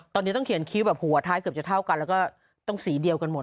ตอนนี้ต้องเขียนคิ้วแบบหัวท้ายเกือบจะเท่ากันแล้วก็ต้องสีเดียวกันหมด